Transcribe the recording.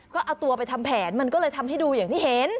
ก็เอาตัวไปทำแผนมันก็เลยทำให้ดูอย่างที่เห็น